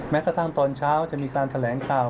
แม้กระทั่งตอนเช้าจะมีการแถลงข่าว